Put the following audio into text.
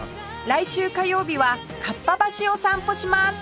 来週火曜日は合羽橋を散歩します